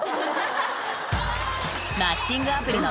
［マッチングアプリの］